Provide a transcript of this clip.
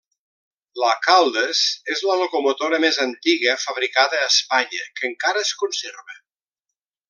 La Caldes és la locomotora més antiga fabricada a Espanya que encara es conserva.